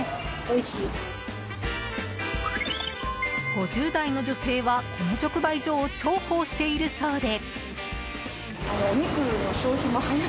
５０代の女性は、この直売所を重宝しているそうで。